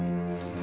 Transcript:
・何？